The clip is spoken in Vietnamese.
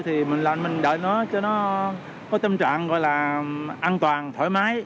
thì mình đợi nó cho nó có tâm trạng gọi là an toàn thoải mái